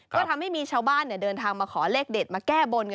ก็ทำให้มีชาวบ้านเดินทางมาขอเลขเด็ดมาแก้บน